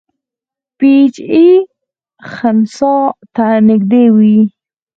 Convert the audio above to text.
پی ایچ یې خنثی ته نږدې وي.